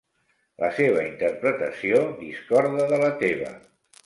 La seva interpretació discorda de la teva.